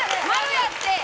○やって！